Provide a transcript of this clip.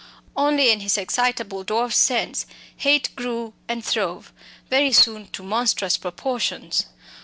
Only in his excitable dwarf's sense hate grew and throve, very soon to monstrous proportions.